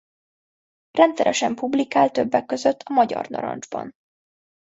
Rendszeresen publikál többek között a Magyar Narancsban.